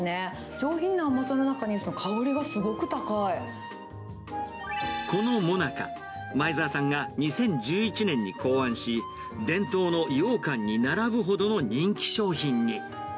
上品な甘さの中に、香りがすごくこのもなか、前澤さんが２０１１年に考案し、伝統のようかんに並ぶほどの人気商品に。